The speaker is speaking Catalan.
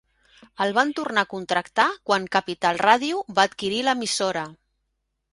El van tornar a contractar quan Capital Radio va adquirir l'emissora.